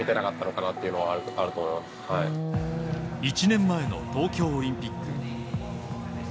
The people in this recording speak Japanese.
１年前の東京オリンピック。